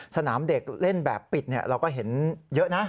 สนามเด็กเล่นแบบปิดเราก็เห็นเยอะนะ